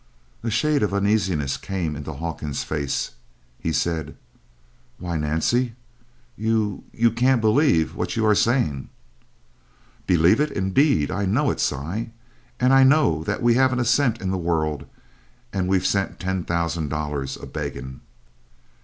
A shade of uneasiness came into Hawkins's face. He said: "Why, Nancy, you you can't believe what you are saying." "Believe it, indeed? I know it, Si. And I know that we haven't a cent in the world, and we've sent ten thousand dollars a begging."